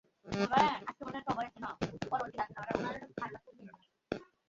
উভয় পরিবারের অধিকাংশ সদস্য ছিল যুবতী নারী।